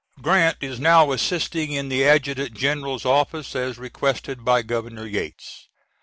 [Grant is now assisting in the adjutant general's office, as requested by Governor Yates.